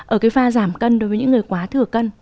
ở cái pha giảm cân đối với những người quá thừa cân